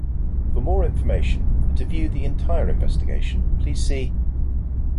For more information and to view the entire investigation please see.